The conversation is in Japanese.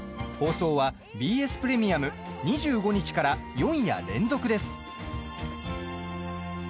放送は、ＢＳプレミアム２５日から４夜連続です。